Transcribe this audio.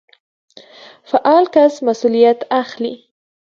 فعال کس مسوليت اخلي.